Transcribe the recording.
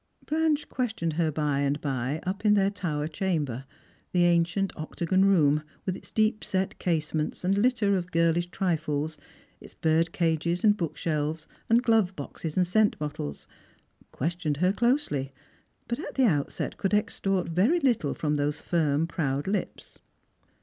Blanche questioned her by and by up in their tower chamber — the ancient octagon room, with its deep set casements and litter of girUsh trifles, its bird cages and bookshelves, and glove boxes and scent bottles — questioned her closely, but at the outset could extort very little from those firm proud lips.